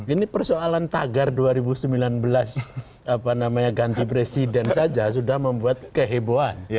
ini persoalan tagar dua ribu sembilan belas ganti presiden saja sudah membuat kehebohan